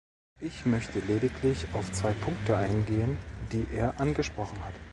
Ich möchte lediglich auf zwei Punkte eingehen, die er angesprochen hat.